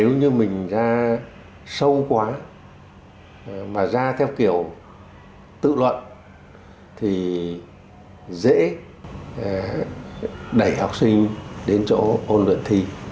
nếu như mình ra sâu quá mà ra theo kiểu tự luận thì dễ đẩy học sinh đến chỗ ôn luyện thi